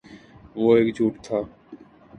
وہ ایک جھوٹ تھا